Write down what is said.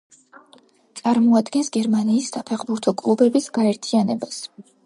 წარმოადგენს გერმანიის საფეხბურთო კლუბების გაერთიანებას.